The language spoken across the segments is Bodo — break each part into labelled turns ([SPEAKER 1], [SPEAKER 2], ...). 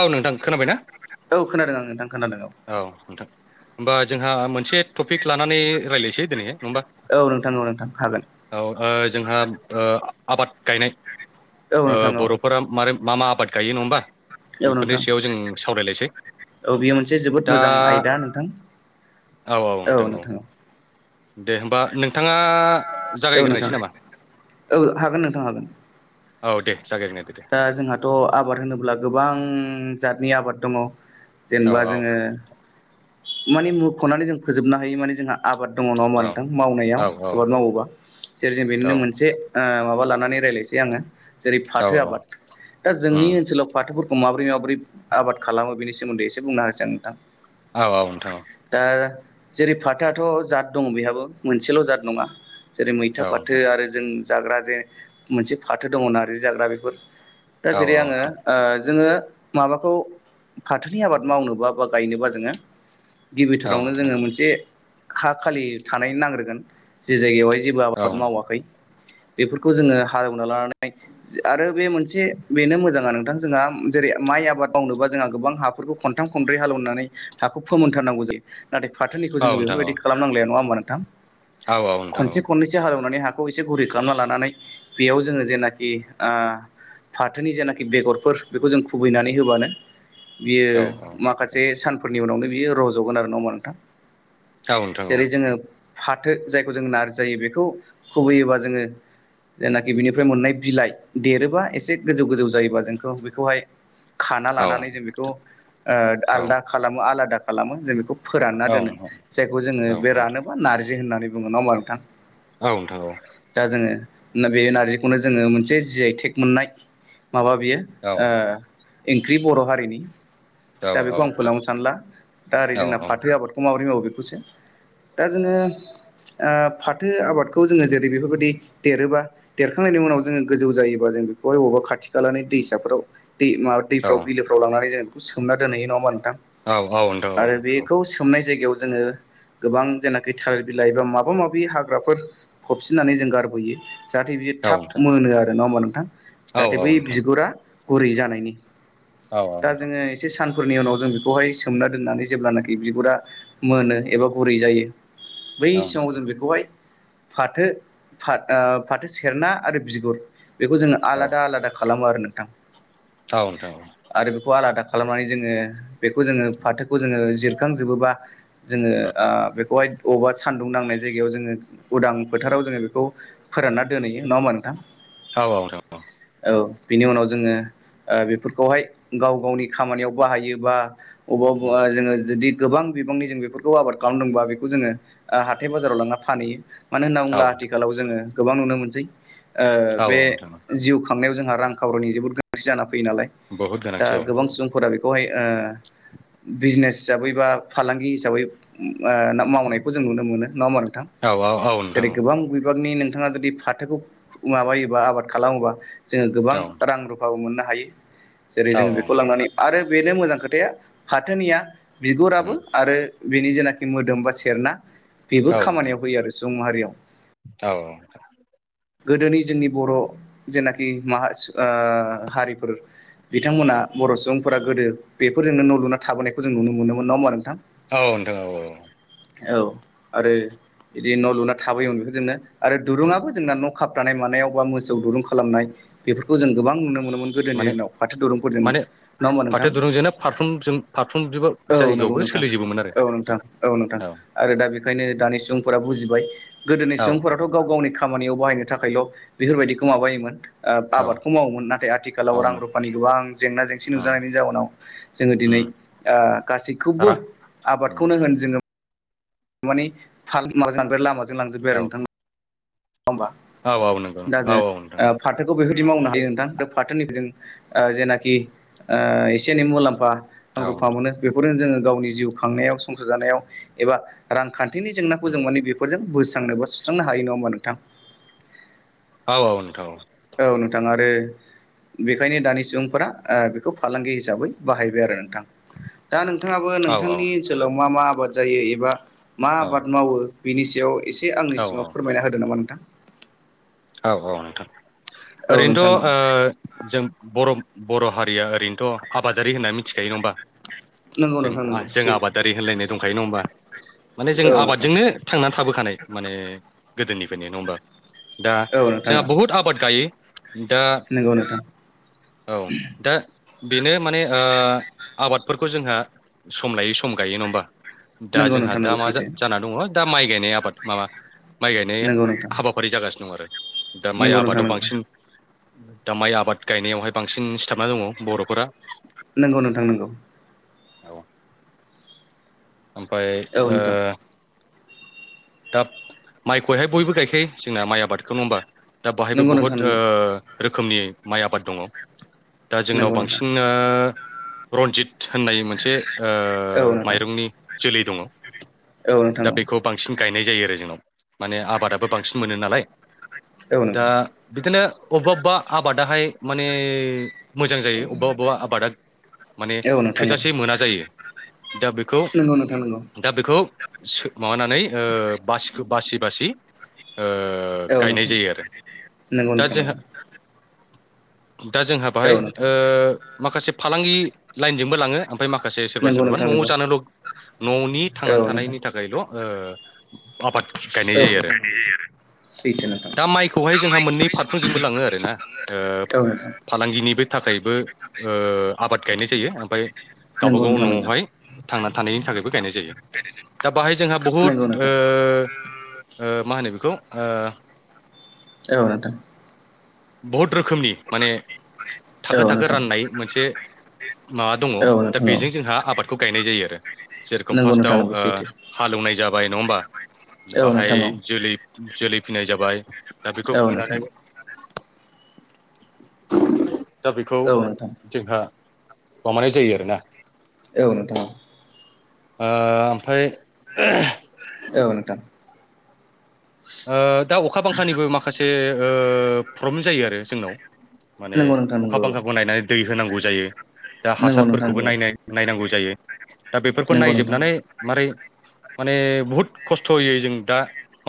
[SPEAKER 1] औ नोंथां खोनाबायना?
[SPEAKER 2] औ खोनादों आं नोंथां खोनादों
[SPEAKER 1] औ नोंथां होम्बाजोंहा मोनसे टपिक लानानै रायज्लायनोसै दिनैहाय।
[SPEAKER 2] औ नोंथां औ नोंथां हागोन।
[SPEAKER 1] ओ जोंहा ओ आबाद गायनाय
[SPEAKER 2] औ
[SPEAKER 1] ओ
[SPEAKER 2] नोंथां औ
[SPEAKER 1] बर'फोरा मारै मा मा आबाद गायो नङा होमबा
[SPEAKER 2] औ
[SPEAKER 1] बेफोरनि
[SPEAKER 2] नोंथां
[SPEAKER 1] सायाव जों सावरायलायसै
[SPEAKER 2] औ बेयो मोनसे जोबोद
[SPEAKER 1] दा
[SPEAKER 2] मोजां आयदा नोंथां
[SPEAKER 1] औ औ नोंथां औ दे होमबा नों थांङाआ
[SPEAKER 2] औ औ नोंथां
[SPEAKER 1] जागायगोरनोसै नामा
[SPEAKER 2] औ हागोन नोंथां हागोन
[SPEAKER 1] औ दे जागायग्रोदो दे
[SPEAKER 2] दा जोंहाथ' आबाद होनोब्ला गोबां जाथनि आबाद दङ
[SPEAKER 1] औ
[SPEAKER 2] जेनबा
[SPEAKER 1] औ
[SPEAKER 2] जोङो मानि मुख'नानै जों फोजोबनो हायि मानि जोंहा आबाद दङ नङा होमबा
[SPEAKER 1] औ
[SPEAKER 2] नोंथां
[SPEAKER 1] औ
[SPEAKER 2] मावनायाव आबाद मावोबा जेरै जों
[SPEAKER 1] औ
[SPEAKER 2] बेनिनो मोनसे माबा लानानै रायलायसै आङो जेरै
[SPEAKER 1] औ
[SPEAKER 2] फाथो
[SPEAKER 1] औ
[SPEAKER 2] आबाद दा जोंनि
[SPEAKER 1] उम
[SPEAKER 2] ओनोलाव फाथो फोरखौ ख माबोरै माबोरै आबाद खालामो बेनि सोमोन्दै एसे बुंनो होसां नोंथां
[SPEAKER 1] औ औ नोंथां औ
[SPEAKER 2] दा जेरै फाथोआथ' जाद दङ बेहाबो मोनसेल' जाद नङा जेरै मैथा
[SPEAKER 1] औ
[SPEAKER 2] फाथो
[SPEAKER 1] नोंथां
[SPEAKER 2] आरो जों जाग्रा जे मोनसे फाथो दङ नारजि जाग्रा बेफोर दा
[SPEAKER 1] औ
[SPEAKER 2] जेरै
[SPEAKER 1] औ
[SPEAKER 2] आङो
[SPEAKER 1] नोंथां
[SPEAKER 2] जोङो माबाखौ फाथोनि आबाद मावनोबा बा गायनोबा जोङो
[SPEAKER 1] औ
[SPEAKER 2] गिबिथारावनो
[SPEAKER 1] नोंथां
[SPEAKER 2] जोङो मोनसे हा खालि थानाय नांग्रोगोन जि जायगायावहाय जेबो
[SPEAKER 1] औ
[SPEAKER 2] आबाद मावाखै बेफोरखौ जोहालेवना लानानै आरो बे मोन से बेनो मोजाङा नोंथां जोंहा जेरै माइ आबाद मावनोबा जोंहा गोबां हाफोरखौ खनथाम खनब्रै हालोवनानै हाखौ फोमोनथारनांगौ जायो नाथाय फाथोनिखौ
[SPEAKER 1] औ
[SPEAKER 2] जोंङो
[SPEAKER 1] नोंथां औ
[SPEAKER 2] बेफोरबायदि खालामनांलाया नङा होमबा नोंथां
[SPEAKER 1] औ नोंथां औ
[SPEAKER 2] खनसे खननैसो हालौवनानै हा खौ एसे गुरै खालामना लानानै बेयाव जों जेंनानि आ फाथोनि जेनाखि बेगरफोर बेखौ जों खुबैनानै होबानो बियो
[SPEAKER 1] औ
[SPEAKER 2] माखासे सानफोरनि उनावनो बियो रज'गोन आरो नंङा न नोंथां
[SPEAKER 1] औ नोंथां
[SPEAKER 2] जेरै
[SPEAKER 1] औ
[SPEAKER 2] जोंङ रथं तं फाथो जायखौ जों नार्जिायो बेखौ खुबैयोबा जोङो जेनाखि बिनिफ्राय मोननाय बिलाइ देरोबा एसे गोजौ-गोजौ जायोबा जोंखौ बेखौहाय खाना
[SPEAKER 1] औ
[SPEAKER 2] लानानै जों बेखौ ओ
[SPEAKER 1] औ
[SPEAKER 2] आलदा खालामो आलादा खालामो जों बेखौ फोरानना दोनो जायखौ जोङो
[SPEAKER 1] औ
[SPEAKER 2] बे रानोबा नारजि होननानै बुङो नङा होमबा नोंथां
[SPEAKER 1] औ नोंथां औ
[SPEAKER 2] ना बे नारजिखौनो जोङो मोनसे जि आइ थेग मोननाय माबा बियो
[SPEAKER 1] औ
[SPEAKER 2] ओ एंख्रि बर' हारिनि दा
[SPEAKER 1] औ
[SPEAKER 2] बेखौ आं
[SPEAKER 1] नोंथां
[SPEAKER 2] फोलावनो सानला दा ओरै
[SPEAKER 1] औ औ
[SPEAKER 2] जोंना फाथो आबादखौ माबोरै मावो बेखौसो दा जोङो ओ फाथो आबादखौ जोङो जेरै बेफोरबायदि देरोबा देरखांनाय नि उनाव जोंङो गोजौ जायोबा जों बेखौहाय अबा खाथि खालानि दैसाफोराव दै मा
[SPEAKER 1] नोंथां औ नोंथां
[SPEAKER 2] दैफोराव बिलोफ्राव लांनानै जों बेखौ सोमना दोनहैयो नङा होनबा नों थां
[SPEAKER 1] औ नोंथां औ औ नोंथां
[SPEAKER 2] आरो बेखौ सोमनाय जायगायाव जोङो गोबां जेनाखि थालिर बिलाइ बा माबा माबि हाग्राफोर फबसिननानै जों गारबोयो जाहाथे बियो
[SPEAKER 1] औ
[SPEAKER 2] थाब मोनो आरो नङा होमबा नोंथां
[SPEAKER 1] नोंथां औ
[SPEAKER 2] जाहाथे बै बिगुरा गुरै जानायनि दा जोङो एसे सान फोरनि उनाव जों बेखौहाय सोमना दोननानै जेब्लानाखि बिगुरा मोनो एबा गुरै जायो बै समाव जों बेखौहाय फाथो फा ओ फाथो सेरना आरो बिगुर बेखौ जोङो आलादा आलादा खालामो आरो नोंथां आरो बेखौ आलादा खालामनानै जोङो बेखौ जोङो फाथोखौ जोङो जिरखांजोबोबा जोङो ओ बेखौहाय अबावबा सानदुं नांनाय जायगायाव जोङो उदां फोथाराव जोङो बेखौ फोरानना दोनहैयो नङा होमबा नोंथां औ बिनि उनाव जोङो ओ बेफोरखौहाय गाव गावनि खामानियाव बाहायो बा अबबा-अबबा जोङो जुदि गोबां बिबांनि जों बेफोरखौ आबाद खालामदोंबा बेखौ जोङो ओ हाथाइ बाजाराव लांना फानहैयो मानो होनना बुंब्ला आथिखालाव जोङो गोबां नुनो मोनसै ओ
[SPEAKER 1] औ
[SPEAKER 2] बे
[SPEAKER 1] औ नोंथां
[SPEAKER 2] जिउ खांनायाव जोंहा रां खावरिनि जोबोद गोनांथि जानानानै फैयो नालाय
[SPEAKER 1] बहुद
[SPEAKER 2] दा
[SPEAKER 1] गोनांथि औ
[SPEAKER 2] गोबां सुबुंफोरा बहाय ओ बिजनेस हिसाबै बा फालांगि हिसाबै ओ मावनायखौ जों नुनो मोनो नङा होमबा नों थां
[SPEAKER 1] औ औ औ नोंथां
[SPEAKER 2] जेरै गोबां बिबांनि नोंथाङा जुदि फाथोखौ माबायोबा आबाद खालामोबा जोङो गोबां
[SPEAKER 1] औ
[SPEAKER 2] रां रुफाबो मोननो हायो जेरै
[SPEAKER 1] औ
[SPEAKER 2] जोङो
[SPEAKER 1] औ
[SPEAKER 2] बेखौ
[SPEAKER 1] नोंथां
[SPEAKER 2] लांनानै आरो बेनो मोजां खोथाया फाथोनिया बिगुराबो आरो बिनि जेनाखि मोदोम बा सेरना बेबो खामानियाव होयो आरो सुबुं माहारियाव
[SPEAKER 1] औ
[SPEAKER 2] गोदोनि जोंनि बर' जेनाखि मा सु ओ हारिफोर बिथांमोना बर' सुबुंफोरा गोदो बेफोरजोंनो न' लुना थाबोनायखौ जों नुनो मोनोमोन नङा होमबा नो
[SPEAKER 1] औ नोथां औ औ
[SPEAKER 2] औ आरो बिदि न' लुना थाबोयोमोन बिदिनो आरो दुरुङाबो ना न' खाबथानाय मानायाव बा मोसौ दुरुं खालामनाय बेफोरखौ जों गोबां नुनो मोनोमोन ना थाय गोदोनि
[SPEAKER 1] माने
[SPEAKER 2] दिनाव फाथो दुरुंफोरजोंनो
[SPEAKER 1] माने
[SPEAKER 2] नङा होमबा
[SPEAKER 1] फाथो
[SPEAKER 2] नोंथां
[SPEAKER 1] दुरुंजोंनो फारफ्रोमजों फारफ्रोमजोंबो
[SPEAKER 2] औ नंगौ
[SPEAKER 1] जायगायावबो
[SPEAKER 2] नोंथां
[SPEAKER 1] सोलिजोबोमोन आरो
[SPEAKER 2] औ नोंथां औ नोंथां आरो दा बेखायनो दानि सुबुंफोरा बुजिबाय गोदोनि
[SPEAKER 1] औ
[SPEAKER 2] सुबुंफोराथ' गाव गावनि खामानि याव बाहायनो थाखायल' बेफोरबायदिखौ माबायोमोन। ओ
[SPEAKER 1] औ
[SPEAKER 2] आबादखौ मावोमोन नाथाय आथिखालाव
[SPEAKER 1] औ
[SPEAKER 2] रां
[SPEAKER 1] मोन
[SPEAKER 2] रुफानि गोबां जेंना जेंसि नुजानायनि जाउनाव जोङो दिनै ओ
[SPEAKER 1] रा
[SPEAKER 2] गासैखौबो
[SPEAKER 1] उम
[SPEAKER 2] आबादखौनो होन जोङो थारमानि फाल माजों लां आरो लामाजों लांजोब्बाय
[SPEAKER 1] औ
[SPEAKER 2] आरो नोंथां नङा होमबा
[SPEAKER 1] औ औ नंगौ
[SPEAKER 2] दा
[SPEAKER 1] नोंथां औ
[SPEAKER 2] जों
[SPEAKER 1] औ नोंथां
[SPEAKER 2] ओ फाथोखौ बेफोर बिदि मावनो हायो नोंथां दा फाथोनिखौ जों ओ जेनाखि ओ एसे एनै मुलाम्फा रां
[SPEAKER 1] औ
[SPEAKER 2] रुफा मोनो बेफोरजों जोङो गावनि जिउ खांनायाव संसार जानायाव एबा रांखान्थिनि जेंनाखौ
[SPEAKER 1] उम
[SPEAKER 2] जों मानि बेफोरजों बोस्रांनोबा सु सुस्रांनो हायो नङा होमा नोंथां?
[SPEAKER 1] औ औ नोंथां औ
[SPEAKER 2] औ नोंथां आरो बेखायनो दानि सुबुंफोरा ओ बेखौ फालांगि हिसाबै बाहायबाय आरो नोंथां दा नोंथ नोंथाङाबो
[SPEAKER 1] औ
[SPEAKER 2] नोंथांनि ओनसोलाव मा मा आबाद जायो एबा मा आबाद मावो बिनि सायाव एसे आंनि
[SPEAKER 1] औ
[SPEAKER 2] सिङाव फोरमायना होदो नामा नोंथां?
[SPEAKER 1] औ औ नोंथां
[SPEAKER 2] औ
[SPEAKER 1] ओरैनोथ'ओ
[SPEAKER 2] नोंथां औ
[SPEAKER 1] जों बर' बर' हारिया ओरैनोथ' आबादारि होनना मिथिखायो नङा होमबा?
[SPEAKER 2] नंगौ
[SPEAKER 1] जों
[SPEAKER 2] नोंथां नंगौ
[SPEAKER 1] जों
[SPEAKER 2] सैथो
[SPEAKER 1] आबादारि होनलायनाय दङ। बुंखायो नङा होमबा माने जों
[SPEAKER 2] औ नोंथां
[SPEAKER 1] आबादजोंनो थांनानै थाबोखानाय माने गोदोनिफ्रायनो नङा होमबा दा
[SPEAKER 2] औ नोंथां औ
[SPEAKER 1] जोंहा बहुद आबाद गायो। दा
[SPEAKER 2] नंगौ नोंथां
[SPEAKER 1] औ दा बेनो माने ओ आबादफोर जोंहा सम लायो सम गायो नङा होनबा दा
[SPEAKER 2] नंगौ
[SPEAKER 1] जोंहा
[SPEAKER 2] नोंथां
[SPEAKER 1] दा
[SPEAKER 2] नंगौ
[SPEAKER 1] मा जा
[SPEAKER 2] सैथो
[SPEAKER 1] मा जाना दङो दा माइ माइ गायनाय आबाद माबा माइ गायनाय
[SPEAKER 2] नंगौ नोंथां
[SPEAKER 1] हाबाफारि जागासिनो दं आरो। दा माइ
[SPEAKER 2] नंगौ नोंथां
[SPEAKER 1] आबादाव
[SPEAKER 2] नंगौ
[SPEAKER 1] बांसिन दा माइ आबाद गायनायावहाय बांसिन सिथाबना दङ बर'फोरा।
[SPEAKER 2] नंगौ नोंथां नंगौ।
[SPEAKER 1] औ ओमफ्राय
[SPEAKER 2] औ
[SPEAKER 1] ओ
[SPEAKER 2] नोंथां
[SPEAKER 1] दा माइखौहाय बयबो गायखायो जोंना माइ आबादखौ नङा होमबा? दा बहायबो
[SPEAKER 2] नंगौ
[SPEAKER 1] बहुत
[SPEAKER 2] नोंथां
[SPEAKER 1] ओ
[SPEAKER 2] नंगौ
[SPEAKER 1] रोखोमनि माइ आबाद दङ। दा जोंनाव
[SPEAKER 2] नंगौ नोंथां
[SPEAKER 1] बांसिनो रन्जित होननाय मोनसे
[SPEAKER 2] औ
[SPEAKER 1] ओ
[SPEAKER 2] नोंथां
[SPEAKER 1] माइरंनि जोलै दङ
[SPEAKER 2] औ
[SPEAKER 1] दा
[SPEAKER 2] नोंथां
[SPEAKER 1] बेखौ
[SPEAKER 2] औ
[SPEAKER 1] बांसिन गायनाय जायो आरो जोंनाव माने आबादाबो बांसिन मोनो नालाय
[SPEAKER 2] औ
[SPEAKER 1] दा
[SPEAKER 2] नोंथां
[SPEAKER 1] बिदिनो अबबा अबा आबादाहाय माने मोजां जायो अबेबा अबेबा आबादा माने
[SPEAKER 2] औ नोंथां औ
[SPEAKER 1] थोजासे मोना जायो। दा बेखौ
[SPEAKER 2] नंगौ नोंथां नंगौ
[SPEAKER 1] दा बेखौ माबानानै ओ बासि बासि बासि ओ
[SPEAKER 2] औ
[SPEAKER 1] गायनाय
[SPEAKER 2] नोंथां
[SPEAKER 1] जायो आरो
[SPEAKER 2] नंगौ
[SPEAKER 1] दा
[SPEAKER 2] नोंथां
[SPEAKER 1] जोंहा
[SPEAKER 2] नंगौ
[SPEAKER 1] दा जोंहा बाहाय
[SPEAKER 2] औ नोंथां
[SPEAKER 1] ओ माखासे फालांगि लाइनजोंबो लाङो ओमफ्राय माखासे सोरबा
[SPEAKER 2] नंगौ
[SPEAKER 1] सोरबाबा
[SPEAKER 2] नोंथां नंगौ
[SPEAKER 1] न' जानोल' न'नि थांनानै
[SPEAKER 2] औ नोंथां
[SPEAKER 1] थानायनि थाखायल'ओ आबाद गायनो
[SPEAKER 2] औ
[SPEAKER 1] जायो
[SPEAKER 2] नोंथां
[SPEAKER 1] आरो
[SPEAKER 2] सैथो नोंथां
[SPEAKER 1] दा माइखौहाय जोंहा मोननै फारफ्रोमजोंबो लाङो आर ना
[SPEAKER 2] औ नोंथां
[SPEAKER 1] फालांगिनिबो थाखाय बो आबाद गायनाय जायो ओमफाय गावबा
[SPEAKER 2] नंगौ
[SPEAKER 1] गाव
[SPEAKER 2] नोंथां नंगौ
[SPEAKER 1] न'आवहाय थांना थानायनि थाखायबो गायनाय जायो दा बाहाय जोंहा बहुद
[SPEAKER 2] नंगौ नोंथां
[SPEAKER 1] ओ ओ मा होनो बेखौ ओ
[SPEAKER 2] औ नोंथां
[SPEAKER 1] बहुद रोखोमनि माने थाखो
[SPEAKER 2] औ
[SPEAKER 1] थाखो
[SPEAKER 2] नोंथां
[SPEAKER 1] राननाय मोनसे माबा दङ
[SPEAKER 2] औ
[SPEAKER 1] दा
[SPEAKER 2] नोंथां औ
[SPEAKER 1] बेजों जोंहा आबादखौ गायनाय जायो आरो जेरोखोम
[SPEAKER 2] नंगौ नोंथां
[SPEAKER 1] फार्स्टआव
[SPEAKER 2] नंगौ सैथो
[SPEAKER 1] हालेवनाय जाबाय नङा होमबा
[SPEAKER 2] औ
[SPEAKER 1] बाहाय
[SPEAKER 2] नोंथां औ
[SPEAKER 1] जोलै जोलै फिननाय जाबाय दा बेखौ
[SPEAKER 2] औ नोंथां
[SPEAKER 1] बुनानै दा बेखौ
[SPEAKER 2] औ नोंथां
[SPEAKER 1] जोंहा अमाया जायो आरोना
[SPEAKER 2] औ नोंथां
[SPEAKER 1] ओ ओमफ्राय
[SPEAKER 2] औ नथां
[SPEAKER 1] दा अखा बांखानिबो माखासे ओ प्रब्लेम जायो आरो जोंनाव माने
[SPEAKER 2] नंगौ नोंथां
[SPEAKER 1] अखा
[SPEAKER 2] नंगौ
[SPEAKER 1] बांखाखौ नायनानै दै होनांगौ जायो दा
[SPEAKER 2] नंगौ नोंथां
[SPEAKER 1] हासारफोरखौबो
[SPEAKER 2] नंगौ
[SPEAKER 1] नायनो नायनांगौ जायो दा बेफोरखौ
[SPEAKER 2] नंगौ नोंथां
[SPEAKER 1] नायजोबनानै मारै माने बुहुद खस्थ'यै जों दा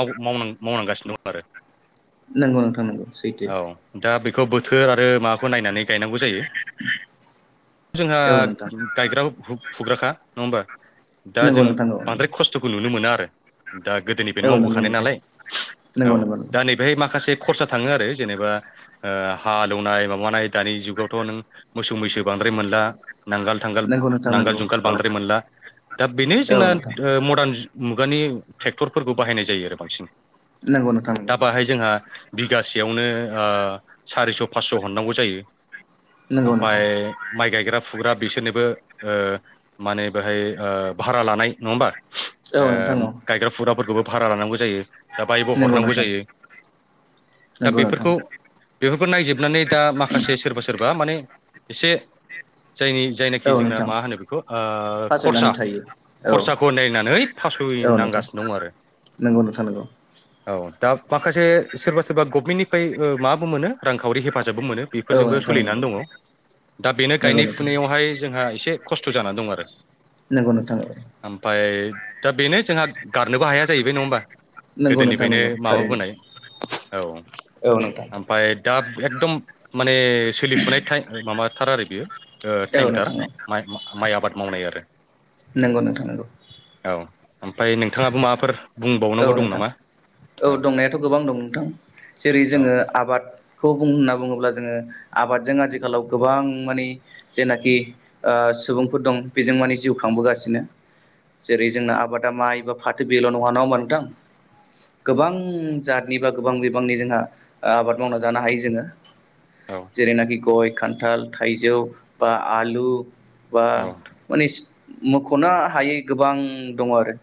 [SPEAKER 1] माव मावनांगासिनो दं आरो
[SPEAKER 2] नंगौ नोंथां नंगौ सैथो
[SPEAKER 1] औ दा बेखौ बोथोर आरो माबाखौ नायनानै गायनांगौ जायो जोंहा
[SPEAKER 2] औ नोंथां
[SPEAKER 1] गायग्रा फुग्राखा नङा होमबा दा
[SPEAKER 2] नंगौ
[SPEAKER 1] जों
[SPEAKER 2] नोंथां औ
[SPEAKER 1] बांद्राय खस्थ'खौ नुनो मोना आरो दा गोदोनि बे
[SPEAKER 2] औ
[SPEAKER 1] मावबो
[SPEAKER 2] नंगौ
[SPEAKER 1] थानाय
[SPEAKER 2] नोंथां
[SPEAKER 1] नालाय औ
[SPEAKER 2] नंगौ नंगौ
[SPEAKER 1] दा नै बेहाय माखासे खरसा थाङो आरो जेनेबा ओ हालेवनाय माबानाय दानि जुगावथ' नों मोसौ मैसो बां द्राय मोनला नांगाल थांगाल
[SPEAKER 2] नंगौ नोंथां
[SPEAKER 1] नांगाल
[SPEAKER 2] नंगौ
[SPEAKER 1] जुंगाल
[SPEAKER 2] औ
[SPEAKER 1] बांद्राय मोनला दा बेनो
[SPEAKER 2] औ
[SPEAKER 1] जोंना
[SPEAKER 2] नोंथां
[SPEAKER 1] ओ मडार्न मुगानि ट्रेक्टरफोरखौ बाहायनाय जायो आरो बांसिन
[SPEAKER 2] नंगौ नोंथां नंगौ
[SPEAKER 1] दा बाहाय जोंहा बिगासेयावनो ओ सारिस' फास्स' हरनांगौ जायो
[SPEAKER 2] नंगौ
[SPEAKER 1] ओमफाय
[SPEAKER 2] नोंथां
[SPEAKER 1] माइ गायग्रा फुग्रा बिसोरनोबो ओ माने बेहाय ओ भारा लानाय नङा होमबा
[SPEAKER 2] औ नोंथां
[SPEAKER 1] ओ
[SPEAKER 2] औ
[SPEAKER 1] गायग्रा फुग्राफोरखौबो भारा लानांगौ जायो दा बायबो
[SPEAKER 2] नंगौ
[SPEAKER 1] हरनांगौ
[SPEAKER 2] नोंथां
[SPEAKER 1] जायो दा
[SPEAKER 2] नंगौ नोंथां
[SPEAKER 1] बेफोरखौ बे फोर नायजोबनानै दा माखासे सोरबा सोरबा माने एसे जायनि जायनाखि
[SPEAKER 2] औ
[SPEAKER 1] जोंना
[SPEAKER 2] नोंथां
[SPEAKER 1] मा होनो बेखौ ओ खरसा
[SPEAKER 2] फासयनानै थायो औ
[SPEAKER 1] खरसाखौ नायनानै
[SPEAKER 2] औ नोंथां
[SPEAKER 1] फासयनांगासिनो दं आरो
[SPEAKER 2] नंगौ नोंथा नंगौ
[SPEAKER 1] औ दा माखासे सोरबा सोरबा गभमेन्टनिफ्राय ओ माबो मोनो रांखावि हेफाजाब हेफाजाबबो मोनो
[SPEAKER 2] औ
[SPEAKER 1] बेफोरजोंबो
[SPEAKER 2] नोंथां नंगौ
[SPEAKER 1] सोलिनानै दङ दा बेनो
[SPEAKER 2] नंगौ
[SPEAKER 1] गायनाय
[SPEAKER 2] नोंथां
[SPEAKER 1] फुनायावहाय जोंहा एसे खस्थ' जानानै दं आरो
[SPEAKER 2] नोंगौ नोंथां औ
[SPEAKER 1] ओमफ्राय दा बेनो जोंहा गारनोबो हाया जाहैबाय नङा होमबा
[SPEAKER 2] नंगौ नोंथां
[SPEAKER 1] गोदोनिफ्रायनो
[SPEAKER 2] नंगौ थारैनो
[SPEAKER 1] माबाबोनाय औ
[SPEAKER 2] औ नोंथां
[SPEAKER 1] ओमफाय दा एकदम माने सोलिफुनाय थाय माबा थार आरो बेयो ओ
[SPEAKER 2] औ
[SPEAKER 1] टाइमथार
[SPEAKER 2] नोंथां
[SPEAKER 1] माइ आबाद मावनाय आरो
[SPEAKER 2] नोंगौ नोंथां नगौ
[SPEAKER 1] औ ओमफ्राय नोंथाङाबो माबाफोर
[SPEAKER 2] औ
[SPEAKER 1] बुंबावनांगौ दं
[SPEAKER 2] नोंथां
[SPEAKER 1] नामा
[SPEAKER 2] औ दंनायाथ' गोबां दं नोंथां जेरै
[SPEAKER 1] औ
[SPEAKER 2] जोङो आबादखौ बुं होनना बुङोब्ला जोङो आबादजों आथिखालाव गोबां माने जेनाखि ओ सुबुंफोर दं बेजों माने जिउ खांबोगासिनो जेरै जोंना आबादा माइ बा फाथो बेल' नङा होमबा नों थां
[SPEAKER 1] उम,
[SPEAKER 2] गोबां जातनि बा गोबां बिबांनि जोंहा आबाद मावना जानो हायो जोङो
[SPEAKER 1] औ
[SPEAKER 2] जेरैनाखि गय खान्थाल थाइजौ बा आलु बा
[SPEAKER 1] औ
[SPEAKER 2] माने मख'नो हायै गोबां दङ आरो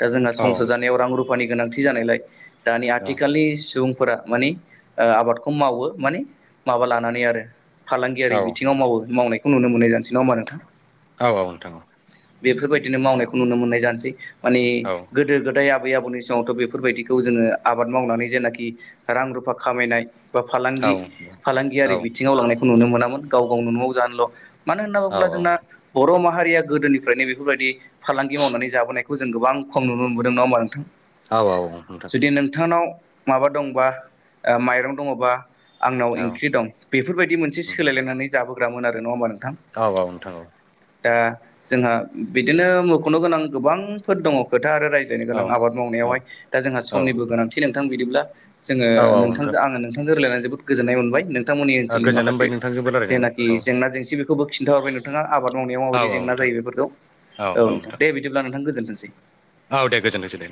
[SPEAKER 2] दा जोंहा
[SPEAKER 1] नोंथां औ
[SPEAKER 2] संसार जानाय रुफानि गोनांथि जानायलाय दानि आथिखालनि सुबुं फोरा माने ओ आबादखौ मावो माने माबा लानानै आरो। फालांगियारि
[SPEAKER 1] औ
[SPEAKER 2] बिथिंङाव
[SPEAKER 1] नोंथां
[SPEAKER 2] मावो मावनायखौ नुनो मोननाय जानोसै नङा होनबा नोंथां
[SPEAKER 1] औ औ नोंथां औ
[SPEAKER 2] बेफोरबायदिनो मावनायखौ नुनो मोननाय जानोसै माने
[SPEAKER 1] औ
[SPEAKER 2] गोदो गोदाय आबै आबौनि समावथ' बे बेफोरबायदिखौ जोङो आबाद मावनानै जेनाखि रां रुफा खामायनाय बा फालांगि फालांगियारि बिथिङाव लांनायखौ नुनो मोनामोन गाव गावनो न'आव जानोल' मानो होनना
[SPEAKER 1] औ
[SPEAKER 2] बुङोब्ला जोंना बर' माहारिया गोदोनिफ्रायनो बेफोरबायदि फालांगि मावनानै जाबोनायखौ जों गोबां खम नुनो मोनबोदों ना होमा नोंथां।
[SPEAKER 1] औ औ नोंथां।
[SPEAKER 2] जुदि नोंथांनाव माबा दंबा ओ माइरं दङबा आंनाव ओंख्रि
[SPEAKER 1] औ
[SPEAKER 2] दं बेफोरबायदि मोनसे
[SPEAKER 1] उम,
[SPEAKER 2] सोलायलायनानै जाबोग्रामोन नङा होमबा नों
[SPEAKER 1] औ नोंथां औ।
[SPEAKER 2] दा जोंहा बिदिनो मख'नो गोनां गोबांफोर दङ खोथा आरो रायज्लायनो
[SPEAKER 1] औ
[SPEAKER 2] गोनां आबाद मावनायावहाय दा जोंहा
[SPEAKER 1] औ
[SPEAKER 2] समनिबो गोनांथि नोंथां बिदिब्ला जोङो
[SPEAKER 1] औ औ नोंथां
[SPEAKER 2] नोंथांजों आंङो नोंथांजों रलायनानै जोबोद गोजोन्नाय मोनबाय नोंथांमोननि ओनसोलनि
[SPEAKER 1] गोजोन
[SPEAKER 2] माखासेे
[SPEAKER 1] होनबाय नोंथांजोंबो रायलायनानै
[SPEAKER 2] जेनाखि
[SPEAKER 1] औ
[SPEAKER 2] जेंना जेंसि बेखौबो खिन्थाहरबाय नोंथाङा आबाद मावनायाव
[SPEAKER 1] औ
[SPEAKER 2] माबायदि
[SPEAKER 1] औ
[SPEAKER 2] जेंना
[SPEAKER 1] नोंथां
[SPEAKER 2] जायो। बेफोरखौ औ नोंथां दे बिदिब्ला नोंथां गोजोनथोंसै।
[SPEAKER 1] औ दे गोजोनथोंसै। दे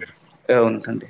[SPEAKER 2] औ नोंथां दे।